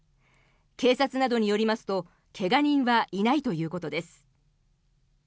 警察などによりますと怪我人はいないということです。